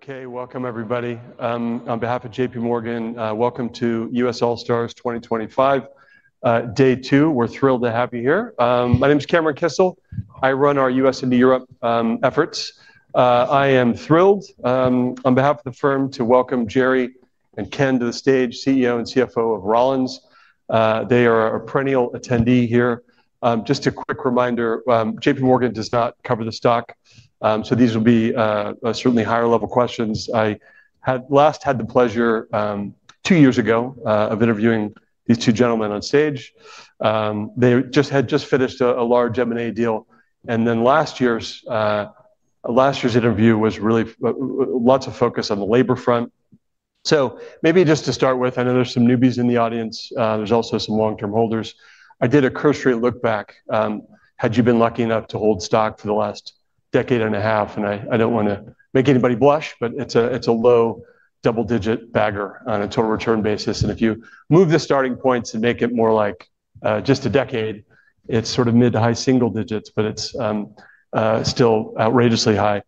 Okay, welcome everybody. On behalf of JPMorgan, welcome to US All-Stars 2025 Day Two. We're thrilled to have you here. My name is Cameron Kissel. I run our U.S. and Europe efforts. I am thrilled, on behalf of the firm, to welcome Jerry and Ken to the stage, CEO and CFO of Rollins. They are a perennial attendee here. Just a quick reminder, JPMorgan does not cover the stock, so these will be certainly higher-level questions. I last had the pleasure two years ago, of interviewing these two gentlemen on stage. They had just finished a large M&A deal. Last year's interview was really lots of focus on the labor front. Maybe just to start, I know there's some newbies in the audience. There's also some long-term holders. I did a cursory look back. Had you been lucky enough to hold stock for the last decade and a half. I don't want to make anybody blush, but it's a low double-digit bagger on a total return basis. If you move the starting points and make it more like just a decade, it's sort of mid to high single digits, but it's still outrageously high.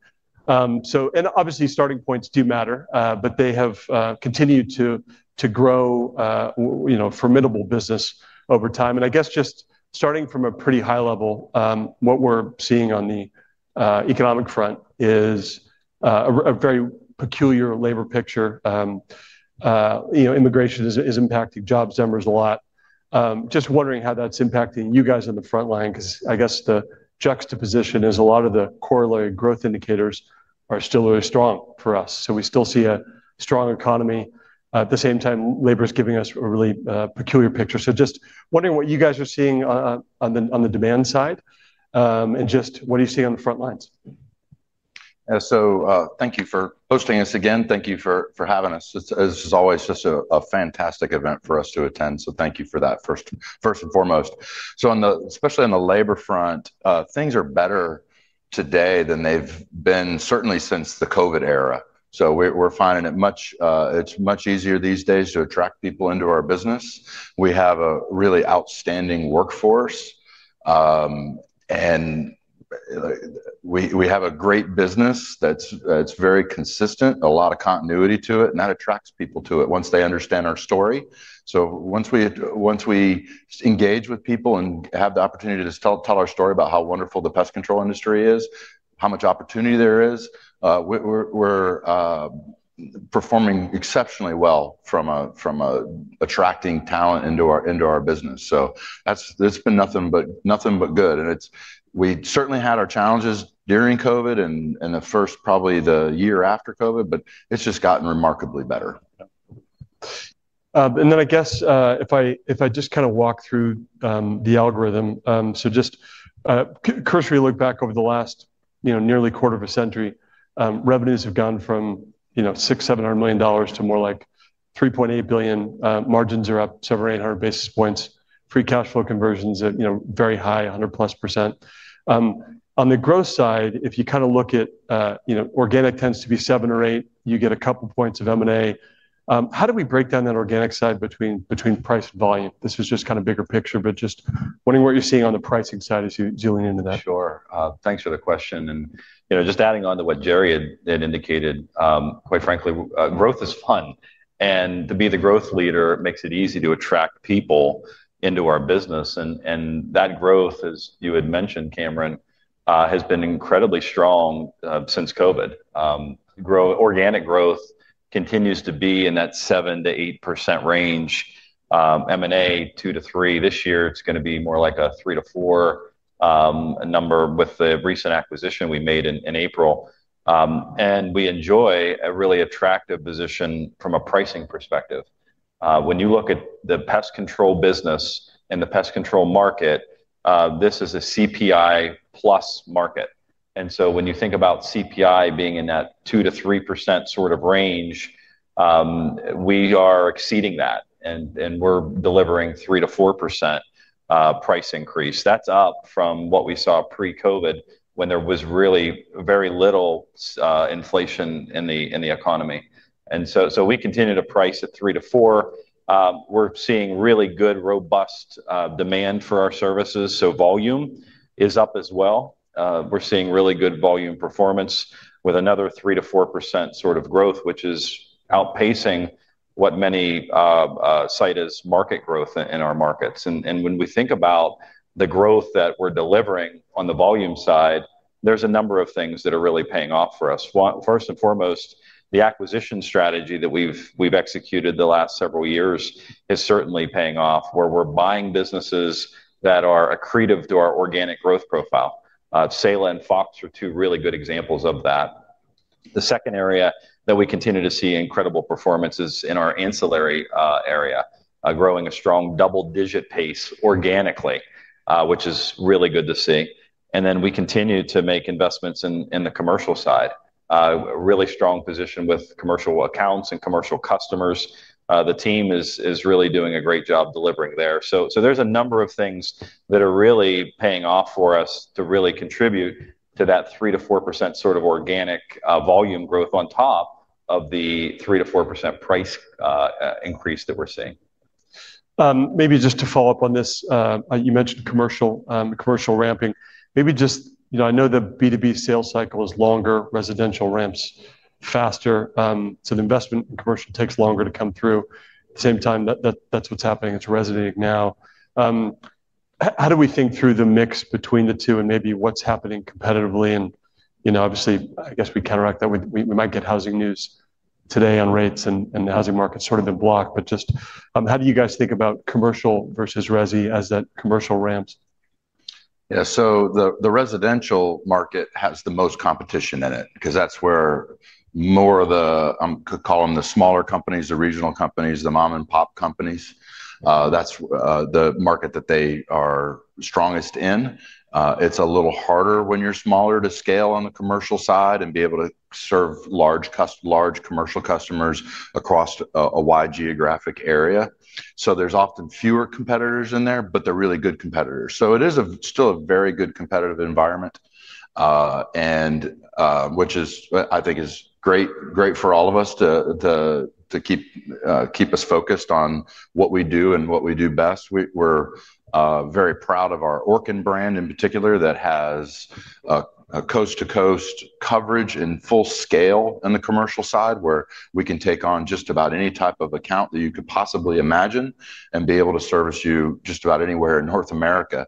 Obviously, starting points do matter, but they have continued to grow a formidable business over time. I guess just starting from a pretty high level, what we're seeing on the economic front is a very peculiar labor picture. immigration is impacting jobs numbers a lot. Just wondering how that's impacting you guys on the front line, because I guess the juxtaposition is, a lot of the correlated growth indicators are still really strong for us. We still see a strong economy. At the same time, labor is giving us a really peculiar picture. Just wondering what you guys are seeing on the demand side, and just what are you seeing on the front lines? Thank you for hosting us again. Thank you for having us. This is always just a fantastic event for us to attend. Thank you for that first and foremost. Especially on the labor front, things are better today than they've been certainly since the COVID era. We're finding it's much easier these days to attract people into our business. We have a really outstanding workforce and we have a great business that's very consistent, a lot of continuity to it and that attracts people to it once they understand our story. Once we engage with people and have the opportunity to tell our story about how wonderful the pest control industry is, how much opportunity there is, we're performing exceptionally well from attracting talent into our business. That's been nothing but good. We certainly had our challenges during COVID and probably the year after COVID, but it's just gotten remarkably better. If I just kind of walk through the algorithm, just a cursory look back over the last, you know, nearly quarter of a century, revenues have gone from $600 million, $700 million to more like $3.8 billion. Margins are up 700 or 800 basis points. Free cash flow conversion is at very high, 100+%. On the growth side, if you kind of look at, you know, organic tends to be 7% or 8%, you get a couple points of M&A. How do we break down that organic side between price and volume? This is just kind of bigger picture, but just wondering what you're seeing on the pricing side as you're zooming into that door. Thanks for the question. Just adding on to what Jerry had indicated, quite frankly, growth is fun. To be the growth leader makes it easy to attract people into our business, and that growth, as you had mentioned, Cameron, has been incredibly strong since COVID. Organic growth continues to be in that 7%-8% range. M&A 2%-3% this year, it's going to be more like a 3%-4% number with the recent acquisition we made in April. We enjoy a really attractive position from a pricing perspective. When you look at the pest control business and the pest control market, this is a CPI plus market. When you think about CPI being in that 2%-3% sort of range, we are exceeding that and we're delivering 3%-4% price increase. That's up from what we saw pre-COVID, when there was really very little inflation in the economy. We continue to price at 3%-4%. We're seeing really good, robust demand for our services, so volume is up as well. We're seeing really good volume performance with another 3%-4% sort of growth, which is outpacing what many cite as market growth in our markets. When we think about the growth that we're delivering on the volume side, there's a number of things that are really paying off for us. First and foremost, the acquisition strategy that we've executed the last several years is certainly paying off, where we're buying businesses that are accretive to our organic growth profile. Saela and Fox are two really good examples of that. The second area that we continue to see incredible performance is in our ancillary area, growing at a strong double-digit pace organically, which is really good to see. We continue to make investments in the commercial side, really strong position with commercial accounts and commercial customers. The team is really doing a great job delivering there. There is a number of things that are really paying off for us to really contribute to that 3%-4% sort of organic volume growth on top of the 3%-4% price increase that we're seeing. Maybe just to follow up on this, you mentioned commercial, commercial ramping. I know the B2B sales cycle is longer, residential ramps faster. The investment in commercial takes longer to come through. At the same time, that's what's happening. It's resonating now. How do we think through the mix between the two, and maybe what's happening competitively? Obviously, I guess we counteract that. We might get housing news today on rates, and the housing market's sort of been blocked, but just, how do you guys think about commercial versus Resi as that commercial ramps? Yeah, the residential market has the most competition in it because the smaller companies, the regional companies, the mom-and-pop companies, that's the market that they are strongest in. It's a little harder when you're smaller to scale on the commercial side, and be able to serve large commercial customers across a wide geographic area. There are often fewer competitors in there, but they're really good competitors. It is still a very good competitive environment, which I think is great for all of us to keep us focused on what we do and what we do best. We're very proud of our Orkin brand in particular that has coast-to-coast coverage in full scale on the commercial side, where we can take on just about any type of account that you could possibly imagine and be able to service you just about anywhere in North America.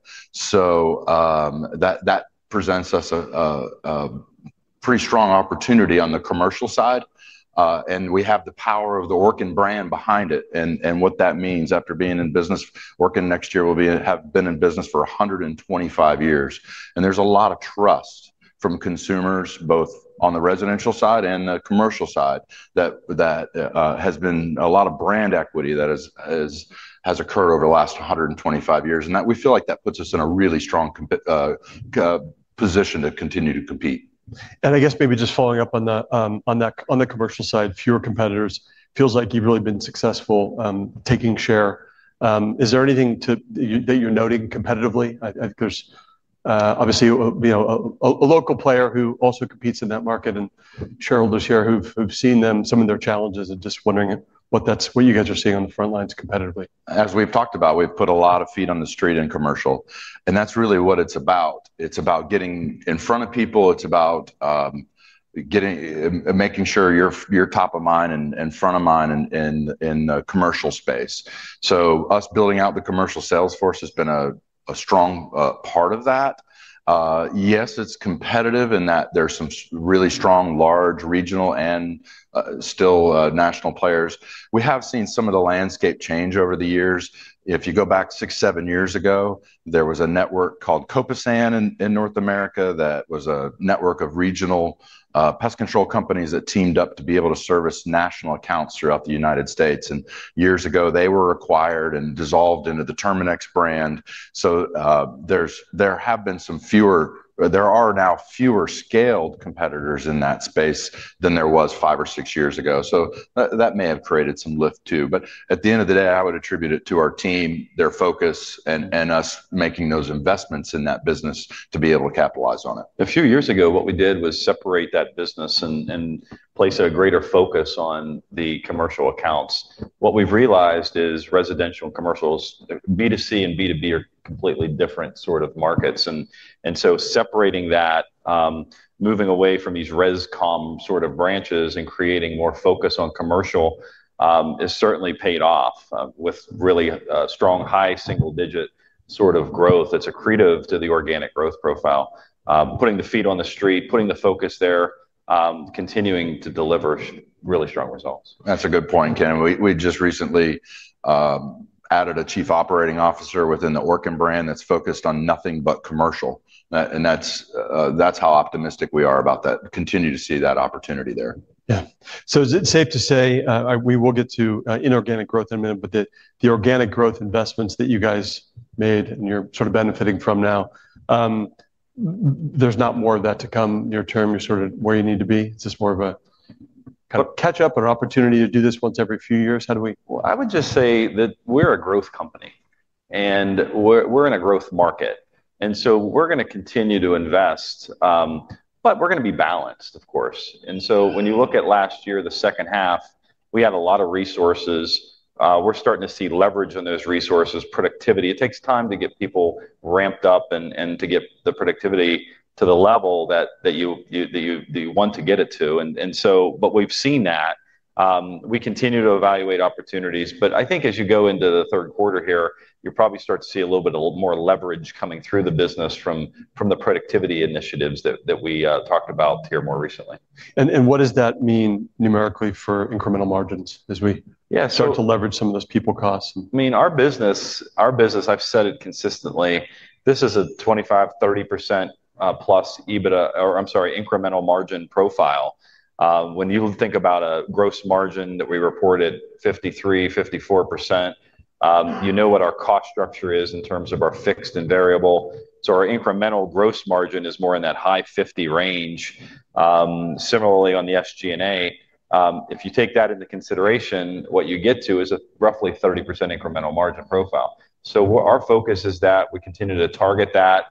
That presents us a pretty strong opportunity on the commercial side, and we have the power of the Orkin brand behind it. What that means after being in business, Orkin next year will have been in business for 125 years. There's a lot of trust from consumers, both on the residential side and the commercial side, a lot of brand equity that has occurred over the last 125 years. We feel like that puts us in a really strong position to continue to compete. I guess maybe just following up on that, on the commercial side, fewer competitors feels like you've really been successful taking share. Is there anything to that you're noting competitively? I think there's obviously, you know, a local player who also competes in that market and seen some of their challenges, and just wondering what you guys are seeing on the front lines competitively. As we've talked about, we've put a lot of feet on the street in commercial. That's really what it's about. It's about getting in front of people. It's about making sure you're top of mind and in front of mind in the commercial space. Us building out the commercial sales force has been a strong part of that. Yes, it's competitive in that there are some really strong, large regional and still national players. We have seen some of the landscape change over the years. If you go back six, seven years ago, there was a network called Copesan in North America, that was a network of regional pest control companies that teamed up to be able to service national accounts throughout the United States. Years ago, they were acquired and dissolved into the Terminix brand. There are now fewer scaled competitors in that space than there were five or six years ago. That may have created some lift too, but at the end of the day, I would attribute it to our team, their focus, and us making those investments in that business to be able to capitalize on it. A few years ago, what we did was separate that business and place a greater focus on the commercial accounts. What we've realized is residential and commercial, B2C and B2B, are completely different sort of markets. Separating that, moving away from these ResCom sort of branches and creating more focus on commercial, has certainly paid off with really a strong high single-digit sort of growth that's accretive to the organic growth profile. Putting the feet on the street, putting the focus there, continuing to deliver really strong results. That's a good point, Ken. We just recently added a Chief Operating Officer within the Orkin brand that's focused on nothing but commercial. That's how optimistic we are about that. Continue to see that opportunity there. Yeah. We will get to inorganic growth in a minute, but that the organic growth investments that you guys made and you're sort of benefiting from now, there's not more of that to come near term. You're sort of where you need to be. It's just more of a kind of catch up and an opportunity to do this once every few years, how do we? I would just say that we're a growth company and we're in a growth market. We're going to continue to invest, but we're going to be balanced of course. When you look at last year, the second half, we had a lot of resources. We're starting to see leverage on those resources, productivity. It takes time to get people ramped up and to get the productivity to the level that you want to get it to. We've seen that. We continue to evaluate opportunities, but I think as you go into the third quarter here, you'll probably start to see a little bit more leverage coming through the business from the productivity initiatives that we talked about here more recently. What does that mean numerically for incremental margins as we start to leverage some of those people costs? Our business, I've said it consistently, this is a 25%, 30+% incremental margin profile. When you think about a gross margin that we reported 53%, 54%, you know what our cost structure is in terms of our fixed and variable. Our incremental gross margin is more in that high 50% range. Similarly, on the SG&A, if you take that into consideration, what you get to is a roughly 30% incremental margin profile. Our focus is that we continue to target that.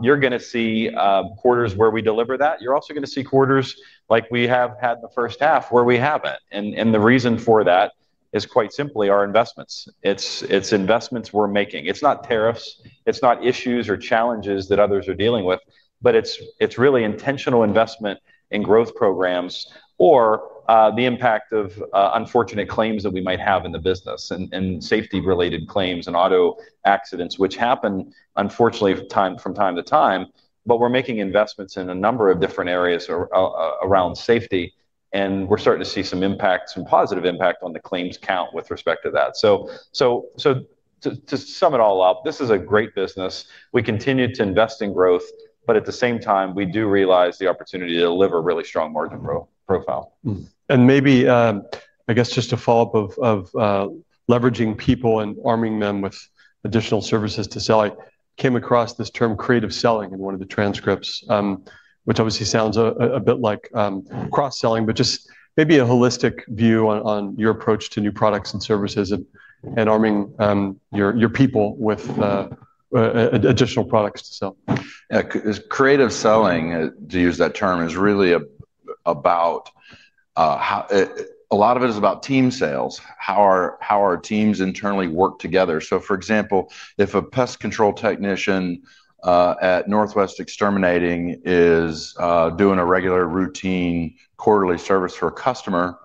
You're going to see quarters where we deliver that. You're also going to see quarters like we have had in the first half where we haven't. The reason for that is quite simply our investments. It's investments we're making. It's not tariffs. It's not issues or challenges that others are dealing with, but it's really intentional investment in growth programs or the impact of unfortunate claims that we might have in the business and safety-related claims, and auto accidents which happen unfortunately from time to time. We're making investments in a number of different areas around safety, and we're starting to see some positive impact on the claims count with respect to that. To sum it all up, this is a great business. We continue to invest in growth, but at the same time, we do realize the opportunity to deliver really strong margin profile. Maybe, just to follow up, leveraging people and arming them with additional services to sell, I came across this term, creative selling, in one of the transcripts, which obviously sounds a bit like cross-selling. Just maybe a holistic view on your approach to new products and services, and arming your people with additional products to sell. Yeah. Creative selling, to use that term, a lot of it is about team sales. How are teams internally working together? For example, if a pest control technician at Northwest Exterminating is doing a regular routine quarterly service for a customer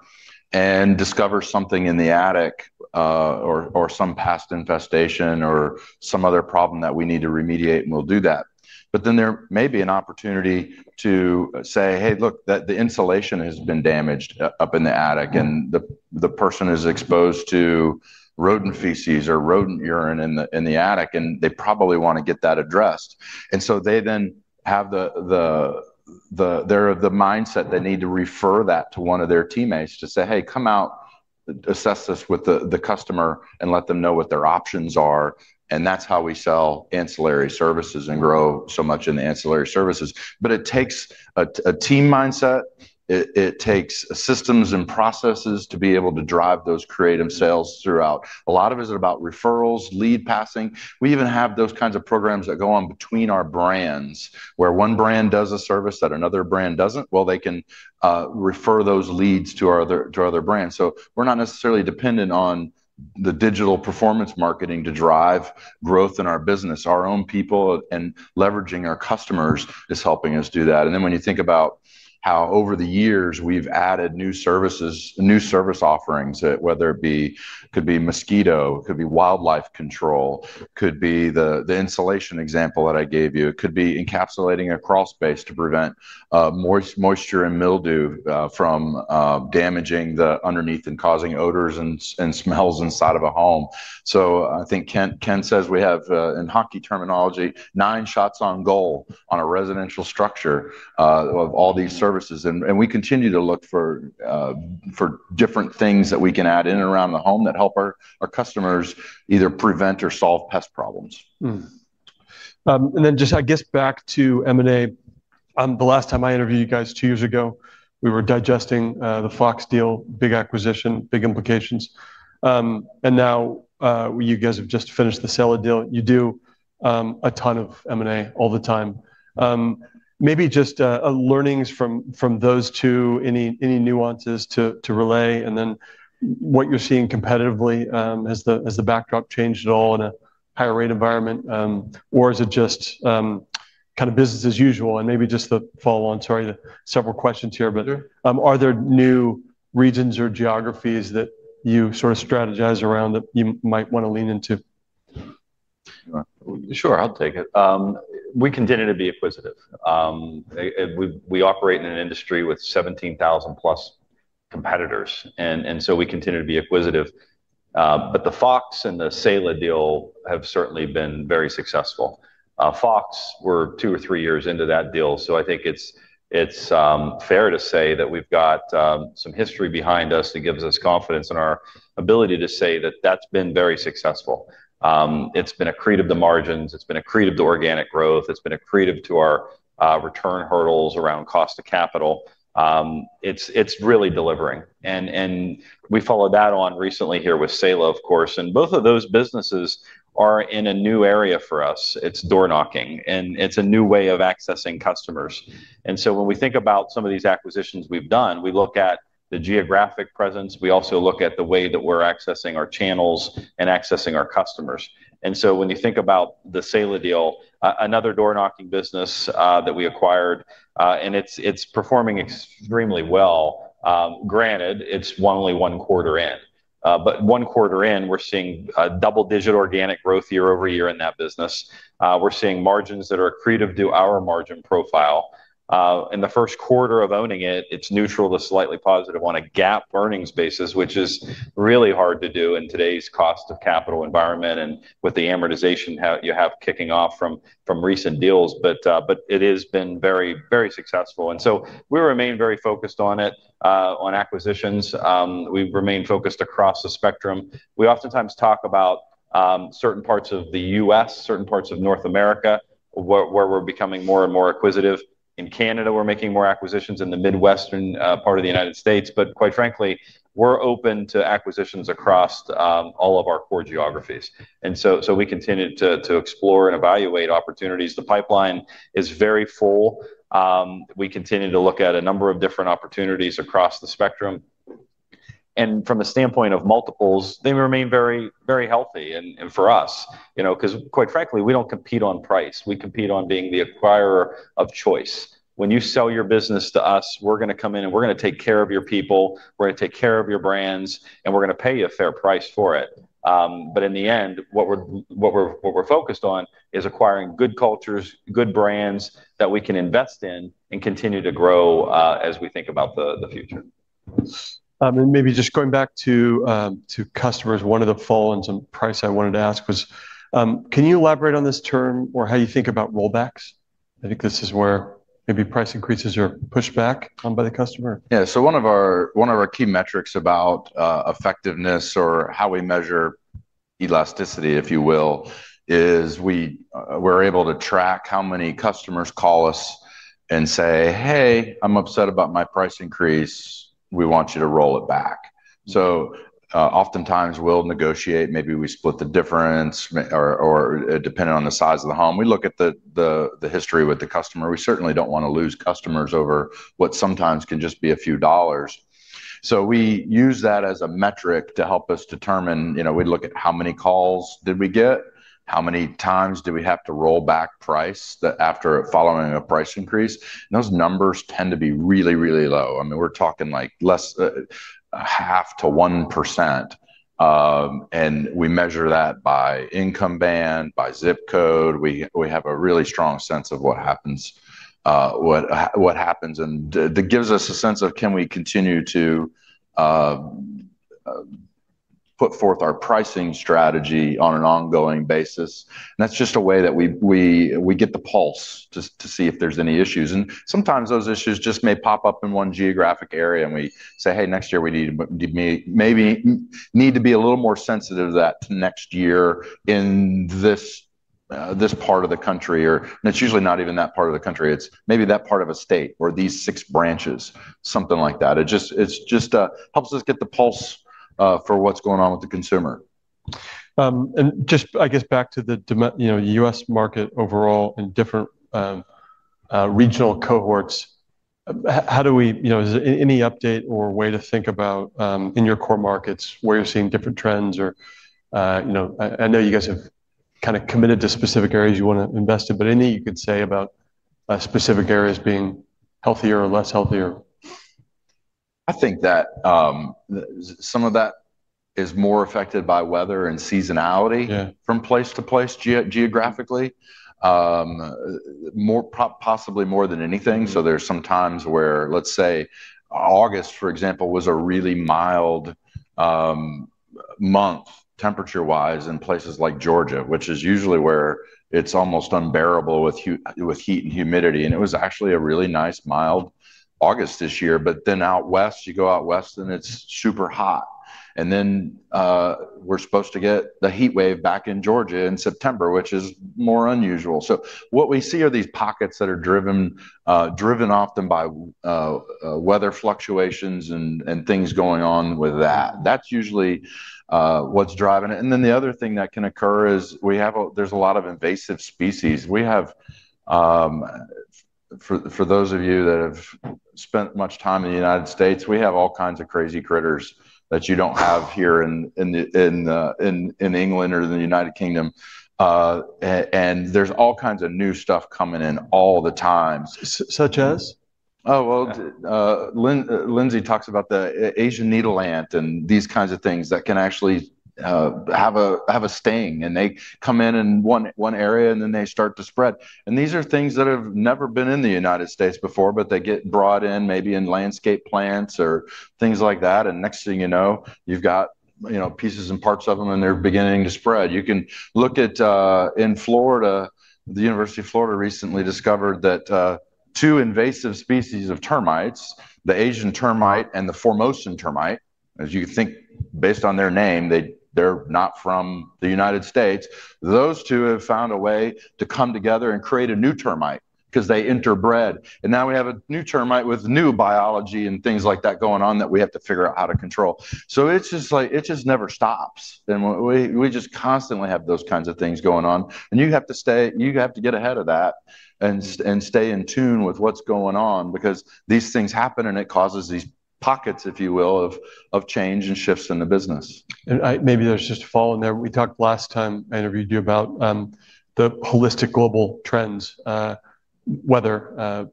and discovers something in the attic, or some past infestation or some other problem that we need to remediate, we'll do that. There may be an opportunity to say, "Hey, look, the insulation has been damaged up in the attic," and the person is exposed to rodent feces or rodent urine in the attic, and they probably want to get that addressed. They then have the mindset, they need to refer that to one of their teammates to say, "Hey, come out. Assess this with the customer and let them know what their options are." That's how we sell ancillary services and grow so much in the ancillary services. It takes a team mindset. It takes systems and processes to be able to drive those creative sales throughout. A lot of it is about referrals, lead passing. We even have those kinds of programs that go on between our brands, where one brand does a service that another brand doesn't. They can refer those leads to our other brands. We're not necessarily dependent on the digital performance marketing to drive growth in our business. Our own people and leveraging our customers is helping us do that. When you think about how over the years we've added new service offerings, it could be mosquito, could be wildlife control, could be the insulation example that I gave you. It could be encapsulating a crawl space to prevent moisture and mildew from damaging the underneath, and causing odors and smells inside of a home. I think Ken says we have, in hockey terminology, nine shots on goal on a residential structure of all these services. We continue to look for different things that we can add in and around the home, that help our customers either prevent or solve pest problems. Just back to M&A. The last time I interviewed you guys two years ago, we were digesting the Fox deal, big acquisition, big implications. Now, you guys have just finished the Saela deal. You do a ton of M&A all the time. Maybe just learnings from those two, any nuances to relay? What you're seeing competitively, has the backdrop changed at all in a higher rate environment, or is it just business as usual? Maybe just a follow-on to several questions here, but are there new regions or geographies that you sort of strategize around that you might want to lean into? Sure, I'll take it. We continue to be acquisitive. We operate in an industry with 17,000+ competitors, and so we continue to be acquisitive. The Fox Pest and the Saela deal have certainly been very successful. Fox, we're two or three years into that deal, so I think it's fair to say that we've got some history behind us that gives us confidence in our ability to say that that's been very successful. It's been accretive to margins, it's been accretive to organic growth, it's been accretive to our return hurdles around cost of capital. It's really delivering. We followed that on recently here with Saela of course, and both of those businesses are in a new area for us. It's door-knocking, and it's a new way of accessing customers. When we think about some of these acquisitions we've done, we look at the geographic presence. We also look at the way that we're accessing our channels and accessing our customers. When you think about the Saela deal, another door-knocking business that we acquired, it's performing extremely well granted, it's only one quarter in. One quarter in, we're seeing a double-digit organic growth year-over-year in that business. We're seeing margins that are accretive to our margin profile. In the first quarter of owning it, it's neutral to slightly positive on a GAAP earnings basis, which is really hard to do in today's cost of capital environment and with the amortization you have kicking off from recent deals. It has been very, very successful. We remain very focused on acquisitions. We remain focused across the spectrum. We oftentimes talk about certain parts of the U.S., certain parts of North America where we're becoming more and more acquisitive. In Canada, we're making more acquisitions in the Midwest part of the United States. Quite frankly, we're open to acquisitions across all of our core geographies. We continue to explore and evaluate opportunities. The pipeline is very full. We continue to look at a number of different opportunities across the spectrum. From a standpoint of multiples, they remain very, very healthy and for us, because quite frankly, we don't compete on price. We compete on being the acquirer of choice. When you sell your business to us, we're going to come in and we're going to take care of your people, we're going to take care of your brands, and we're going to pay you a fair price for it. In the end, what we're focused on is acquiring good cultures, good brands that we can invest in and continue to grow as we think about the future. Maybe just going back to customers, one of the follow-ups on price I wanted to ask was, can you elaborate on this term or how you think about rollbacks? I think this is where maybe price increases are pushed back on by the customer. Yeah, so one of our key metrics about effectiveness or how we measure elasticity, if you will, is we're able to track how many customers call us and say, "Hey, I'm upset about my price increase. We want you to roll it back." Oftentimes, we'll negotiate, maybe we split the difference or depending on the size of the home, we look at the history with the customer. We certainly don't want to lose customers over what sometimes can just be a few dollars. We use that as a metric to help us determine, we'd look at how many calls did we get, how many times do we have to roll back price after following a price increase? Those numbers tend to be really, really low. I mean, we're talking like 0.5%-1%. We measure that by income band, by zip code. We have a really strong sense of what happens. That gives us a sense of, can we continue to put forth our pricing strategy on an ongoing basis? That's just a way that we get the pulse, to see if there's any issues. Sometimes those issues just may pop up in one geographic area, and we say, "Hey, next year we need to maybe be a little more sensitive to that next year in this part of the country." It's usually not even that part of the country. It's maybe that part of a state or these six branches, something like that. It just helps us get the pulse for what's going on with the consumer. I guess back to the U.S. market overall in different regional cohorts, is there any update or way to think about, in your core markets where you're seeing different trends? I know you guys have committed to specific areas you want to invest in, but anything you could say about specific areas being healthier or less healthier? I think that some of that is more affected by weather and seasonality from place to place geographically, more possibly more than anything. Let's say, August, for example, was a really mild month temperature-wise in places like Georgia, which is usually where it's almost unbearable with heat and humidity. It was actually a really nice mild August this year. Out west, you go out west and it's super hot. We're supposed to get the heat wave back in Georgia in September, which is more unusual. What we see are these pockets that are driven often by weather fluctuations and things going on with that. That's usually what's driving it. The other thing that can occur is, there is a lot of invasive species. For those of you that have spent much time in the United States, we have all kinds of crazy critters that you don't have here in England or the United Kingdom, and there's all kinds of new stuff coming in all the time. Such as? Lyndsey talks about the Asian needle ant, and these kinds of things that can actually have a sting and they come in, in one area and then they start to spread. These are things that have never been in the United States before, but they get brought in maybe in landscape plants or things like that. Next thing you know, you've got pieces and parts of them and they're beginning to spread. You can look at, in Florida, the University of Florida recently discovered that two invasive species of termites, the Asian termite and the Formosan termite, as you think, based on their name, they're not from the United States, those two have found a way to come together and create a new termite because they interbred. Now we have a new termite with new biology and things like that going on, that we have to figure out how to control. It just never stops. We just constantly have those kinds of things going on. You have to get ahead of that and stay in tune with what's going on because these things happen and it causes these pockets, if you will, of change and shifts in the business. Maybe there's just a fall in there. Last time I interviewed you about the holistic global trends, radical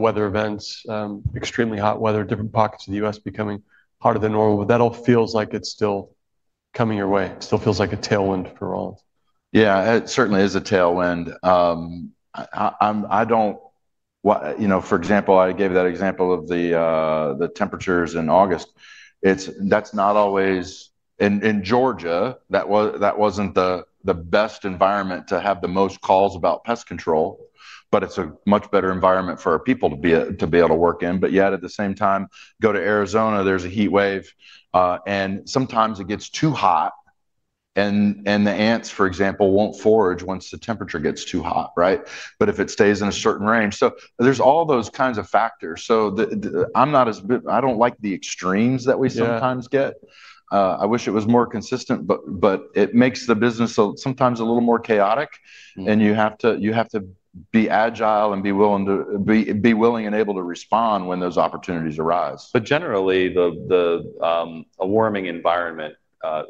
weather events, extremely hot weather, different pockets of the U.S. becoming hotter than normal. That all feels like it's still coming your way. It still feels like a tailwind for all. Yeah, it certainly is a tailwind. For example, I gave that example of the temperatures in August. In Georgia, that wasn't the best environment to have the most calls about pest control, but it's a much better environment for our people to be able to work in. Yet at the same time, go to Arizona, there's a heat wave and sometimes it gets too hot. The ants, for example, won't forage once the temperature gets too hot, right? There's all those kinds of factors. I don't like the extremes that we sometimes get. I wish it was more consistent, but it makes the business sometimes a little more chaotic. You have to be agile, and be willing and able to respond when those opportunities arise. Generally, a warming environment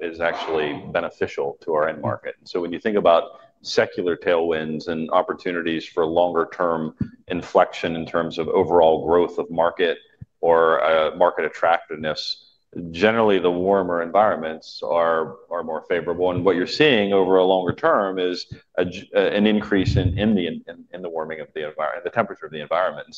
is actually beneficial to our end market. When you think about secular tailwinds and opportunities for longer-term inflection in terms of overall growth of market or market attractiveness, generally, the warmer environments are more favorable. What you're seeing over a longer term is an increase in the warming of the environment, the temperature of the environment.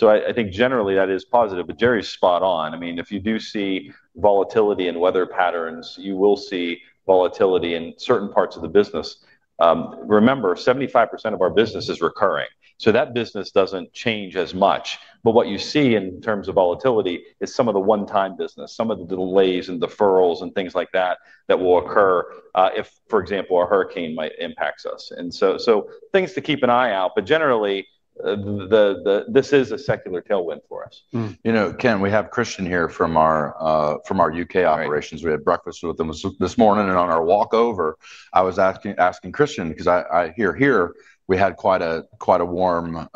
I think generally that is positive, but Jerry's spot on. If you do see volatility in weather patterns, you will see volatility in certain parts of the business. Remember, 75% of our business is recurring. That business doesn't change as much. What you see in terms of volatility is some of the one-time business, some of the delays and deferrals and things like that, that will occur if, for example, a hurricane might impact us. Things to keep an eye out. Generally, this is a secular tailwind for us. Ken, we have Christian here from our U.K. operations. We had breakfast with him this morning and on our walk over, I was asking Christian because I hear we had quite a warm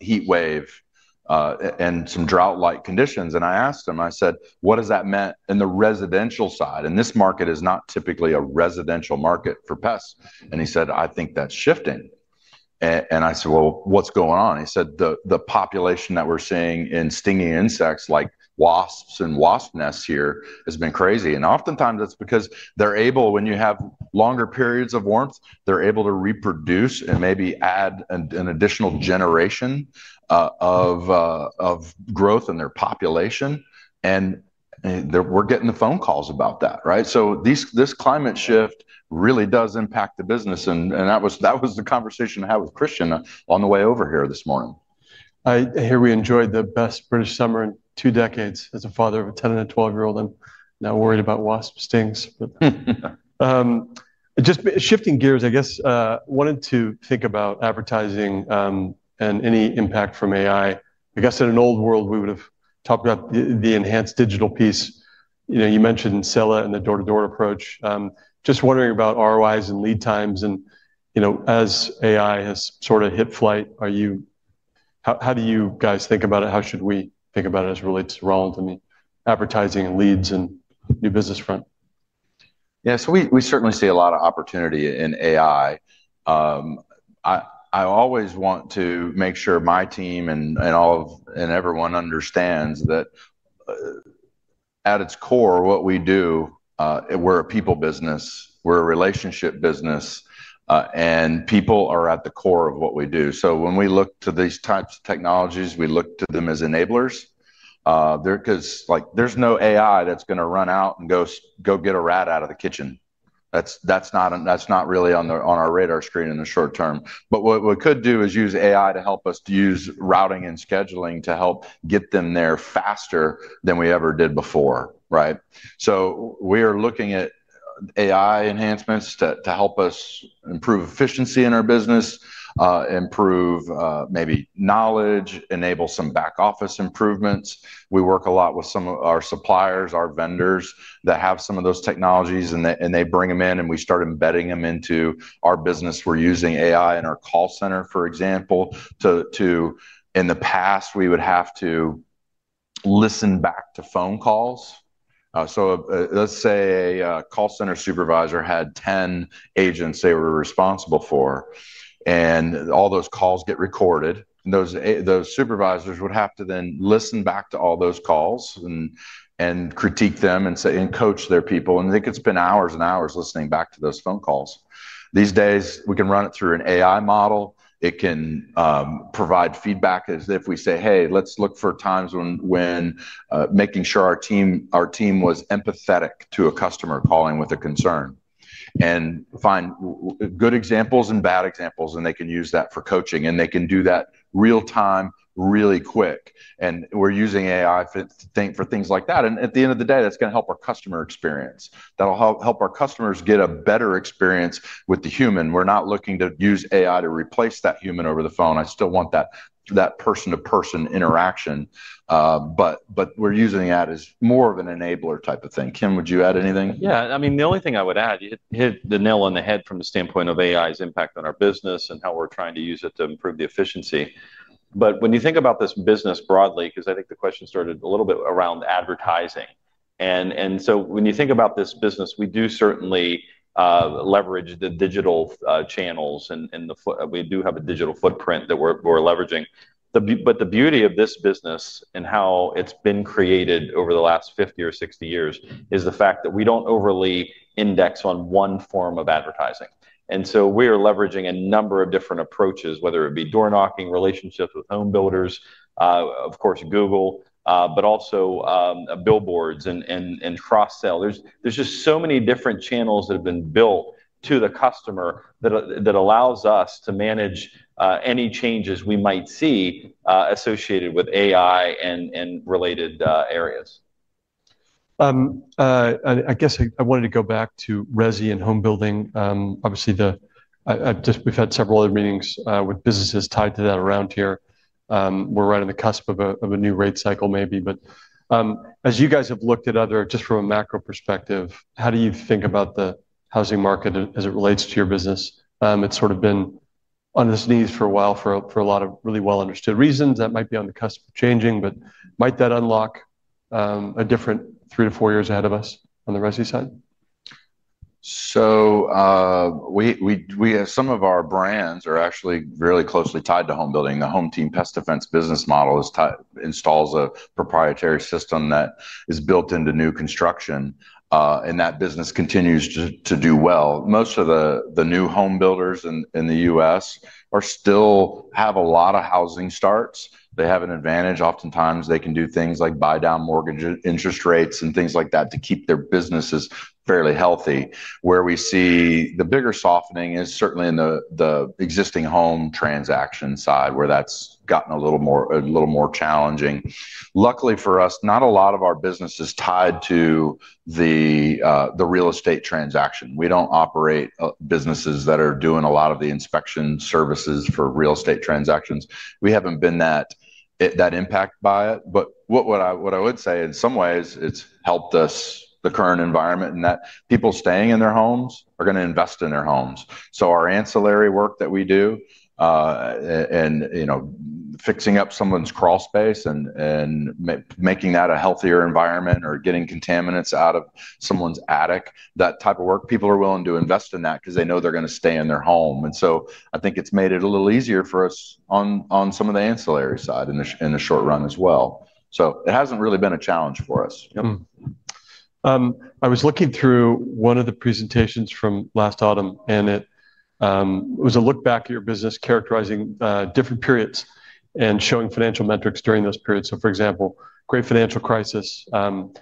heat wave and some drought-like conditions. I asked him, I said, "What has that meant in the residential side?" This market is not typically a residential market for pests. He said, "I think that's shifting." I said, "What's going on?" He said, "The population that we're seeing in stinging insects like wasps and wasp nests here has been crazy." Oftentimes, that's because when you have longer periods of warmth, they're able to reproduce and maybe add an additional generation of growth in their population. We're getting the phone calls about that, right? This climate shift really does impact the business. That was the conversation I had with Christian on the way over here this morning. I hear we enjoyed the best British summer in two decades. As a father of a 10 and a 12-year-old, I'm now worried about wasp stings. Just shifting gears, I guess, wanted to think about advertising, and any impact from AI. I guess in an old world, we would have talked about the enhanced digital piece. You mentioned Saela and the door-to-door approach. Just wondering about ROIs and lead times. As AI has sort of hit flight, how do you guys think about it? How should we think about it as it relates to Rollins, advertising and leads and new business front? Yeah, so we certainly see a lot of opportunity in AI. I always want to make sure my team and everyone understands that at its core, what we do, we're a people business, we're a relationship business and people are at the core of what we do. When we look to these types of technologies, we look to them as enablers because there's no AI that's going to run out and go get a rat out of the kitchen. That's not really on our radar screen in the short term. What we could do is use AI to help us to use routing and scheduling, to help get them there faster than we ever did before. We are looking at AI enhancements, to help us improve efficiency in our business, improve maybe knowledge, enable some back office improvements. We work a lot with some of our suppliers, our vendors that have some of those technologies, and they bring them in and we start embedding them into our business. We're using AI in our call center, for example. In the past, we would have to listen back to phone calls. Let's say a call center supervisor had 10 agents they were responsible for, and all those calls get recorded. Those supervisors would have to then listen back to all those calls, and critique them and coach their people. They could spend hours and hours listening back to those phone calls. These days, we can run it through an AI model. It can provide feedback as if we say, "Hey, let's look for times when making sure our team was empathetic to a customer calling with a concern, " and find good examples and bad examples. They can use that for coaching, and they can do that real time, really quick. We're using AI for things like that. At the end of the day, that's going to help our customer experience. That'll help our customers get a better experience with the human. We're not looking to use AI to replace that human over the phone. I still want that person-to-person interaction, but we're using that as more of an enabler type of thing. Ken, would you add anything? Yeah, I mean, the only thing I would add, you hit the nail on the head from the standpoint of AI's impact on our business and how we're trying to use it to improve the efficiency. When you think about this business broadly, because I think the question started a little bit around advertising, so when you think about this business, we do certainly leverage the digital channels and we do have a digital footprint that we're leveraging. The beauty of this business and how it's been created over the last 50 or 60 years, is the fact that we don't overly index on one form of advertising. We are leveraging a number of different approaches, whether it be door-knocking, relationships with home builders, of course Google, but also billboards and cross-sell. There are just so many different channels that have been built to the customer, that allows us to manage any changes we might see associated with AI and related areas. I wanted to go back to Resi and home building. Obviously, we've had several other meetings with businesses tied to that around here. We're right on the cusp of a new rate cycle maybe, but as you guys have looked at other, just from a macro perspective, how do you think about the housing market as it relates to your business? It's sort of been on its knees for a while for a lot of really well-understood reasons that might be on the cusp of changing, but might that unlock a different three to four years ahead of us on the Resi side? Some of our brands are actually really closely tied to home building. The HomeTeam Pest Defense business model installs a proprietary system that is built into new construction, and that business continues to do well. Most of the new home builders in the U.S. still have a lot of housing starts. They have an advantage. Oftentimes, they can do things like buy down mortgage interest rates and things like that, to keep their businesses fairly healthy. Where we see the bigger softening is certainly in the existing home transaction side, where that's gotten a little more challenging. Luckily for us, not a lot of our business is tied to the real estate transaction. We don't operate businesses that are doing a lot of the inspection services for real estate transactions. We haven't been that impacted by it. What I would say in some ways, it's helped us, the current environment, in that people staying in their homes are going to invest in their homes. Our ancillary work that we do and fixing up someone's crawl space, and making that a healthier environment or getting contaminants out of someone's attic, that type of work, people are willing to invest in that because they know they're going to stay in their home. I think it's made it a little easier for us on some of the ancillary side in the short run as well. It hasn't really been a challenge for us. I was looking through one of the presentations from last autumn, and it was a look back at your business characterizing different periods and showing financial metrics during those periods. For example, great financial crisis, you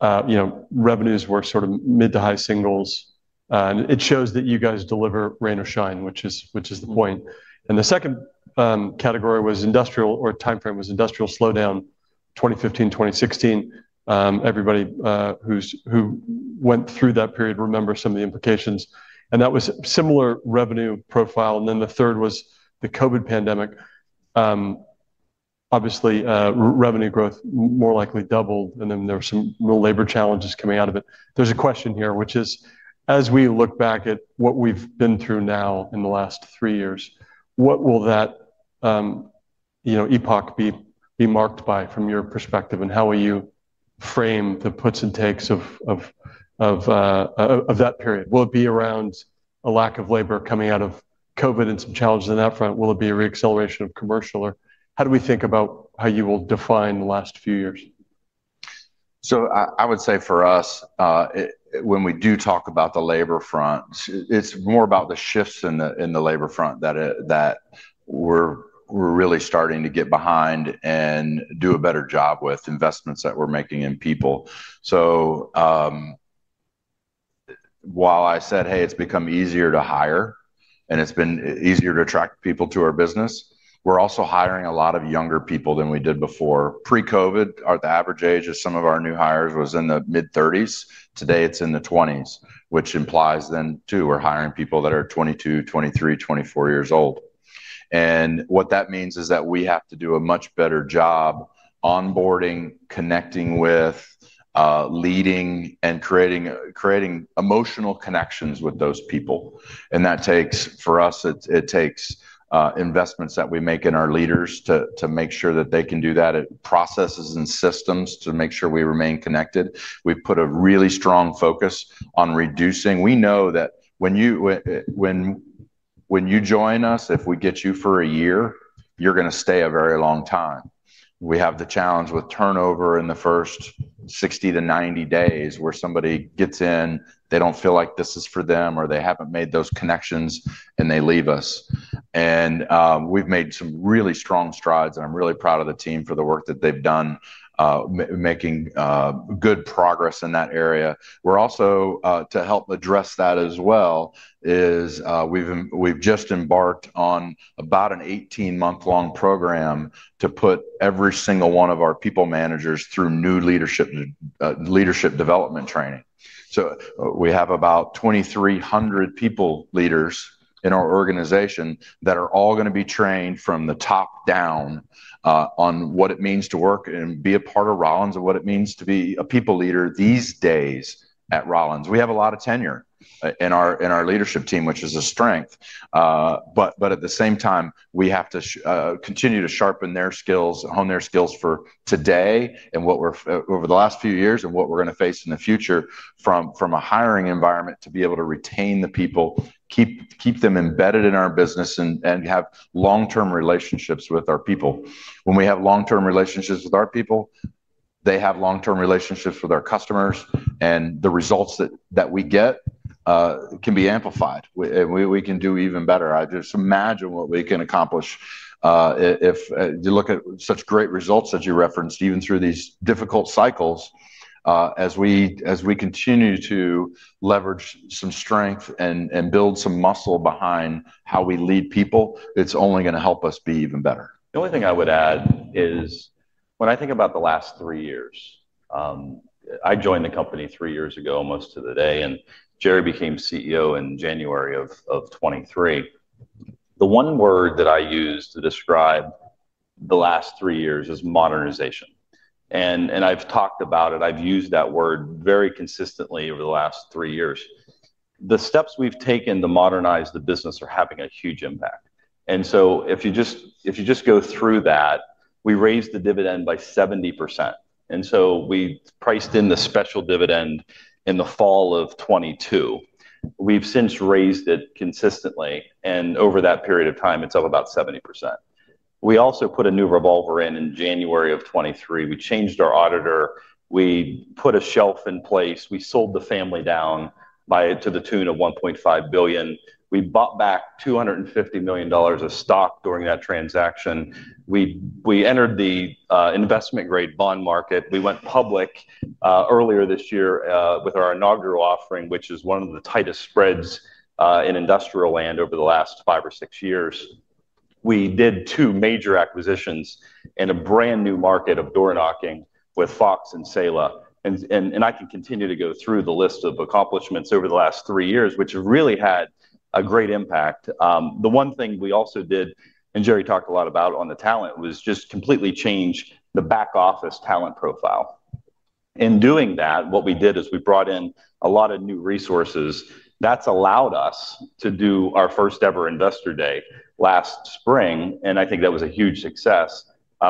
know, revenues were sort of mid to high singles. It shows that you guys deliver rain or shine, which is the point. The second category was industrial or timeframe was industrial slowdown, 2015, 2016. Everybody who went through that period remembers some of the implications. That was a similar revenue profile. The third was the COVID pandemic. Obviously, revenue growth more likely doubled, and then there were some real labor challenges coming out of it. There's a question here, which is, as we look back at what we've been through now in the last three years, what will that epoch be marked by from your perspective, and how will you frame the puts and takes of that period? Will it be around a lack of labor coming out of COVID and some challenges in that front? Will it be a reacceleration of commercial? How do we think about how you will define the last few years? I would say for us, when we do talk about the labor front, it's more about the shifts in the labor front that we're really starting to get behind, and do a better job with investments that we're making in people. While I said, "Hey, it's become easier to hire and it's been easier to attract people to our business," we're also hiring a lot of younger people than we did before. Pre-COVID, the average age of some of our new hires was in the mid-thirties. Today, it's in the twenties, which implies then too, we're hiring people that are 22, 23, 24 years old. What that means is that we have to do a much better job onboarding, connecting with, leading and creating emotional connections with those people. That for us, it takes investments that we make in our leaders to make sure that they can do that, and processes and systems to make sure we remain connected. We put a really strong focus on reducing. We know that when you join us, if we get you for a year, you're going to stay a very long time. We have the challenge with turnover in the first 60 days-90 days, where somebody gets in, they don't feel like this is for them or they haven't made those connections and they leave us. We've made some really strong strides, and I'm really proud of the team for the work that they've done, making good progress in that area. Also, to help address that as well, is we've just embarked on about an 18-month-long program to put every single one of our people managers through new leadership development training. We have about 2,300 leaders in our organization that are all going to be trained from the top down on what it means to work and be a part of Rollins, and what it means to be a people leader these days at Rollins. We have a lot of tenure in our leadership team, which is a strength, but at the same time, we have to continue to sharpen their skills, hone their skills for today and over the last few years, and what we're going to face in the future from a hiring environment, to be able to retain the people, keep them embedded in our business. We have long-term relationships with our people. When we have long-term relationships with our people, they have long-term relationships with our customers and the results that we get can be amplified. We can do even better. I just imagine what we can accomplish if you look at such great results that you referenced even through these difficult cycles, as we continue to leverage some strength and build some muscle behind how we lead people, it's only going to help us be even better. The only thing I would add is, when I think about the last three years, I joined the company three years ago, almost to the day and Jerry became CEO in January of 2023. The one word that I use to describe the last three years is modernization. I've talked about it. I've used that word very consistently over the last three years. The steps we've taken to modernize the business are having a huge impact. If you just go through that, we raised the dividend by 70%. We priced in the special dividend in the fall of 2022. We've since raised it consistently, and over that period of time, it's up about 70%. We also put a new revolver in, in January of 2023. We changed our auditor. We put a shelf in place. We sold the family down to the tune of $1.5 billion. We bought back $250 million of stock during that transaction. We entered the investment-grade bond market. We went public earlier this year with our inaugural offering, which is one of the tightest spreads in industrial land over the last five or six years. We did two major acquisitions in a brand new market of door-knocking with Fox Pest and Saela. I can continue to go through the list of accomplishments over the last three years, which really had a great impact. The one thing we also did, and Jerry talked a lot about on the talent, was just completely change the back office talent profile. In doing that, what we did is, we brought in a lot of new resources. That's allowed us to do our first-ever Investor Day last spring, and I think that was a huge success.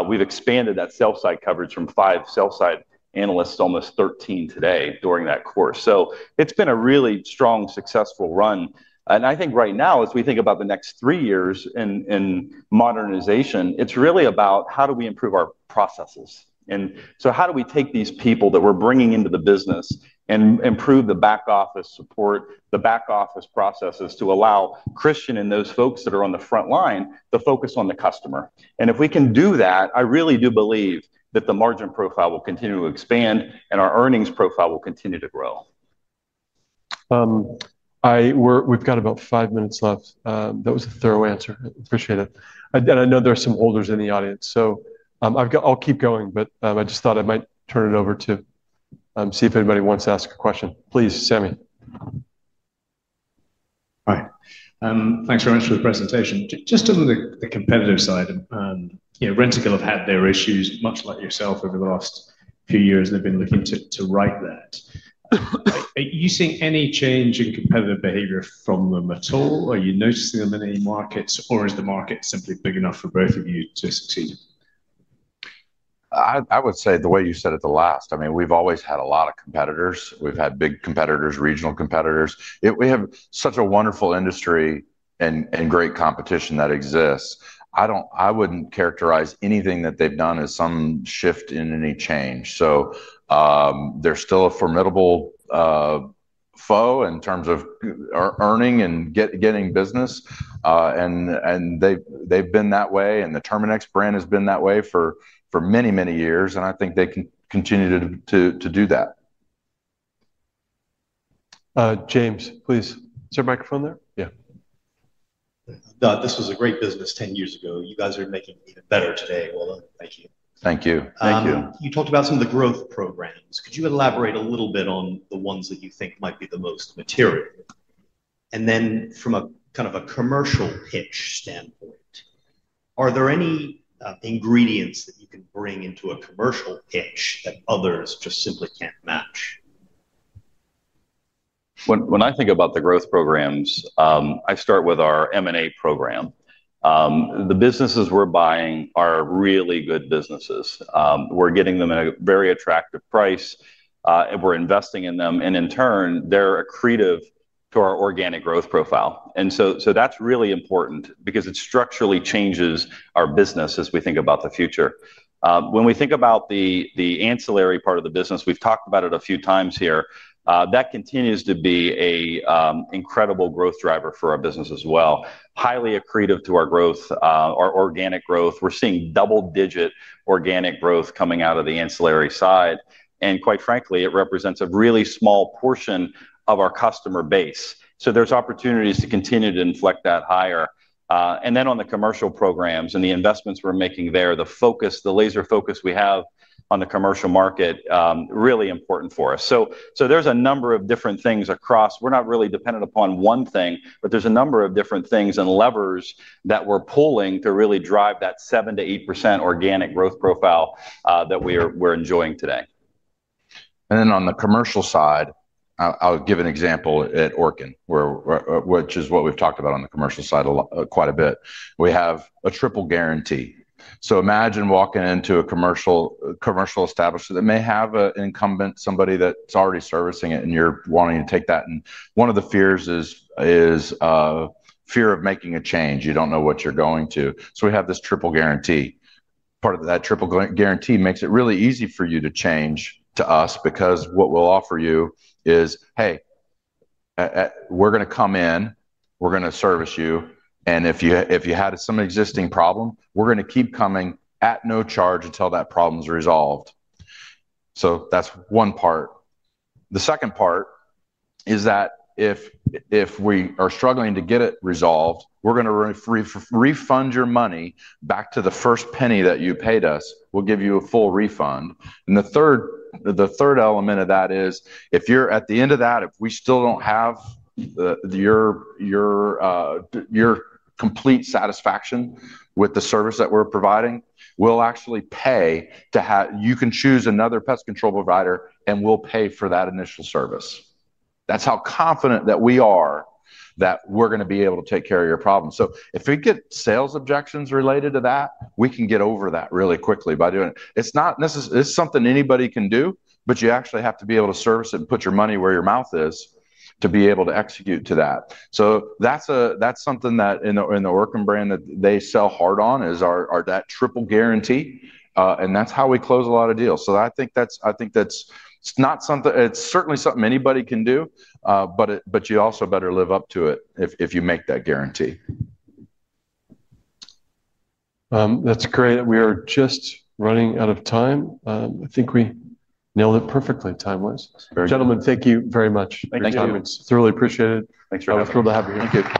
We've expanded that sell-side coverage from five sell-side analysts to almost 13 today during that course. It's been a really strong, successful run. I think right now, as we think about the next three years in modernization, it's really about, how do we improve our processes? How do we take these people that we're bringing into the business and improve the back office support, the back office processes to allow Christian and those folks that are on the front line to focus on the customer? If we can do that, I really do believe that the margin profile will continue to expand, and our earnings profile will continue to grow. We've got about five minutes left. That was a thorough answer. I appreciate it. I know there are some holders in the audience. I'll keep going, but I just thought I might turn it over to see if anybody wants to ask a question. Please, Sammy. Hi, thanks very much for the presentation. Just on the competitor side, Rentokil have had their issues much like yourself over the last few years, and they've been looking to right that. Are you seeing any change in the competitive behavior from them at all? Are you noticing them in any markets, or is the market simply big enough for both of you to succeed? I would say the way you said it the last, we've always had a lot of competitors. We've had big competitors, regional competitors. We have such a wonderful industry and great competition that exists. I wouldn't characterize anything that they've done as some shift in any change. They're still a formidable foe in terms of earning and getting business, and they've been that way. The Terminix brand has been that way for many, many years, and I think they can continue to do that. James, please. Is there a microphone there? Yeah. This was a great business 10 years ago. You guys are making it even better today. Thank you. Thank you. You talked about some of the growth programs. Could you elaborate a little bit on the ones that you think might be the most material? From a commercial pitch standpoint, are there any ingredients that you can bring into a commercial pitch that others just simply can't match? When I think about the growth programs, I start with our M&A program. The businesses we're buying are really good businesses. We're getting them at a very attractive price, and we're investing in them. In turn, they're accretive to our organic growth profile. That's really important because it structurally changes our business as we think about the future. When we think about the ancillary part of the business, we've talked about it a few times here. That continues to be an incredible growth driver for our business as well. Highly accretive to our organic growth. We're seeing double-digit organic growth coming out of the ancillary side. Quite frankly, it represents a really small portion of our customer base. There's opportunities to continue to inflect that higher. On the commercial programs and the investments we're making there, the laser focus we have on the commercial market are really important for us. There are a number of different things across. We're not really dependent upon one thing, but there are a number of different things and levers that we're pulling to really drive that 7%-8% organic growth profile that we're enjoying today. On the commercial side, I'll give an example at Orkin, which is what we've talked about on the commercial side quite a bit. We have a triple guarantee. Imagine walking into a commercial establishment that may have an incumbent, somebody that's already servicing it and you're wanting to take that. One of the fears is fear of making a change. You don't know what you're going to. We have this triple guarantee. Part of that triple guarantee makes it really easy for you to change to us because what we'll offer you is, "Hey, we're going to come in, we're going to service you. If you had some existing problem, we're going to keep coming at no charge until that problem's resolved." That's one part. The second part is that if we are struggling to get it resolved, we're going to refund your money back to the first penny that you paid us. We'll give you a full refund. The third element of that is, if you're at the end of that, if we still don't have your complete satisfaction with the service that we're providing, you can choose another pest control provider and we'll pay for that initial service. That's how confident we are that we're going to be able to take care of your problem. If we get sales objections related to that, we can get over that really quickly by doing it. It's something anybody can do, but you actually have to be able to service it and put your money where your mouth is to be able to execute to that. That's something that in the Orkin brand, they sell hard on, is that triple guarantee and that's how we close a lot of deals. I think it's certainly something anybody can do, but you also better live up to it if you make that guarantee. That's great. We are just running out of time. I think we nailed it perfectly time-wise. Gentlemen, thank you very much. Thank you. It's thoroughly appreciated. Thanks, gentlemen. I'm thrilled to have you here. Thank you.